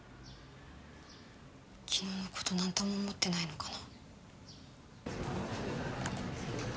昨日のこと何とも思ってないのかな？